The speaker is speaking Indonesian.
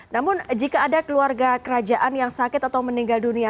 namun jika ada keluarga kerajaan yang sakit atau meninggal dunia